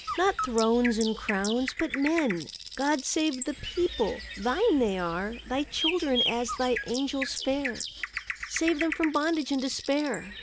Not thrones and crowns, but men! God save the people! Thine they are; Thy children, as Thy angels fair; Save them from bondage and despair!